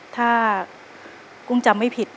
ถ้ากุ้งจำไม่ผิด